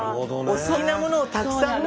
お好きなものをたくさんね。